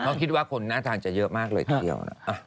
เขาคิดว่าคนน่าทานจะเยอะมากเลยทีเดียวนะ